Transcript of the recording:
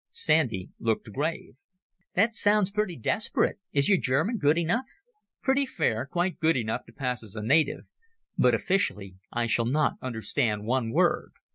Sandy looked grave. "That sounds pretty desperate. Is your German good enough?" "Pretty fair; quite good enough to pass as a native. But officially I shall not understand one word.